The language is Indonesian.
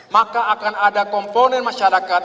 maka akan ada komponen masyarakat